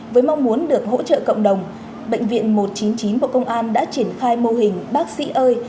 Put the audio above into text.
với mong muốn được hỗ trợ cộng đồng bệnh viện một trăm chín mươi chín bộ công an đã triển khai mô hình bác sĩ ơi